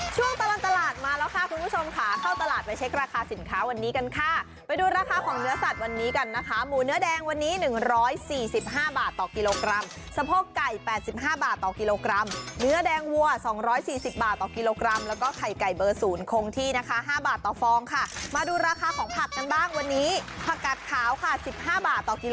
ช่วงตลอดตลาดมาแล้วค่ะคุณผู้ชมค่ะเข้าตลาดไปเช็คราคาสินค้าวันนี้กันค่ะไปดูราคาของเนื้อสัตว์วันนี้กันนะคะหมูเนื้อแดงวันนี้๑๔๕บาทต่อกิโลกรัมสะโพกไก่๘๕บาทต่อกิโลกรัมเนื้อแดงวัว๒๔๐บาทต่อกิโลกรัมแล้วก็ไข่ไก่เบอร์ศูนย์คงที่นะคะ๕บาทต่อฟองค่ะมาดูราคาของผักกันบ้างวันนี้ผักกัดขาวค่ะสิบห้าบาทต่อกิโล